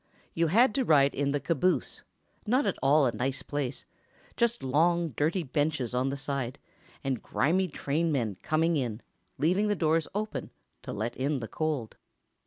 You had to ride in the caboose, not at all a nice place—just long, dirty benches on the side, and grimy train men coming in, leaving the doors open, to let in the cold.